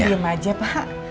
kok diem aja pak